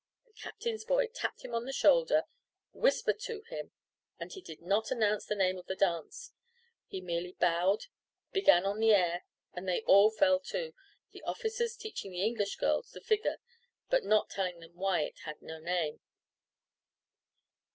the captain's boy tapped him on the shoulder, whispered to him, and he did not announce the name of the dance; he merely bowed, began on the air, and they all fell to the officers teaching the English girls the figure, but not telling them why it had no name.